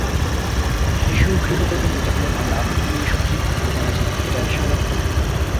শিশু গৃহকর্মী নির্যাতনের মামলা মাথায় নিয়ে সস্ত্রীক আত্মগোপনে আছেন ক্রিকেটার শাহাদাত হোসেন।